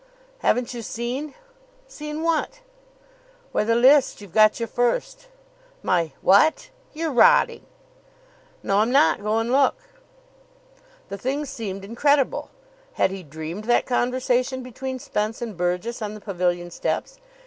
"Haven't you seen?" "Seen what?" "Why the list. You've got your first." "My what? you're rotting." "No, I'm not. Go and look." The thing seemed incredible. Had he dreamed that conversation between Spence and Burgess on the pavilion steps?